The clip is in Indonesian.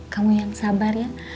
kamu yang sabar ya